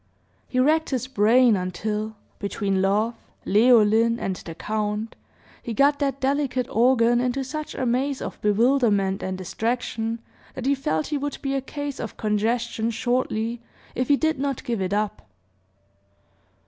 He racked his brain until, between love, Leoline, and the count, he got that delicate organ into such a maze of bewilderment and distraction, that he felt he would be a case of congestion, shortly, if he did not give it up.